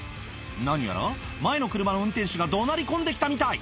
何やら前の車の運転手がどなり込んできたみたい。